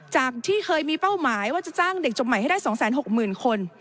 จากที่เคยมีเป้าหมายว่าจะจ้างเด็กจบใหม่ให้ได้๒๖๐๐๐คน